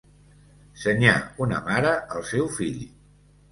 Senyar una mare el seu fill.